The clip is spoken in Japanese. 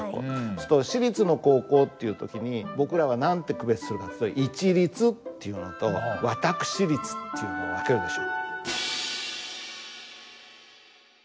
するとシリツの高校っていう時に僕らは何て区別するかっていうと「市立」っていうのと「私立」っていうのを分けるでしょ。